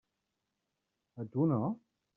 A tu no?